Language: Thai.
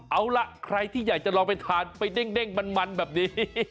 เอาล่ะใครที่อยากจะลองไปทานไปเด้งมันแบบนี้